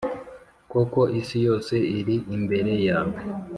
Koko, isi yose iri imbere yawe,